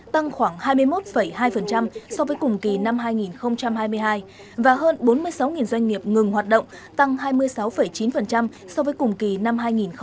tăng khoảng hai mươi một hai so với cùng kỳ năm hai nghìn hai mươi hai và hơn bốn mươi sáu doanh nghiệp ngừng hoạt động tăng hai mươi sáu chín so với cùng kỳ năm hai nghìn hai mươi hai